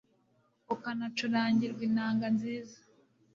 ukanacurangirwa inanga nziza